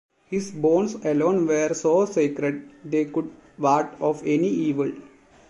His bones alone were so sacred they could ward off any evil.